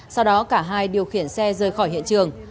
sau đó cả hai điều khiển xe rời khỏi hiện trường